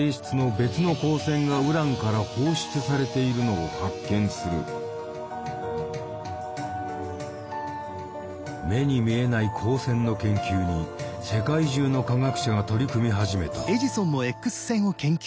翌年フランスの物理学者「目に見えない光線」の研究に世界中の科学者が取り組み始めた。